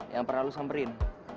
yang pernah lo samperin